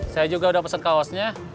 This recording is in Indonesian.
saya juga udah pesen kaosnya